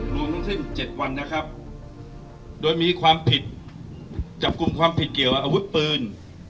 รวมทั้งสิ้น๗วันนะครับโดยมีความผิดจับกลุ่มความผิดเกี่ยวอาวุธปืน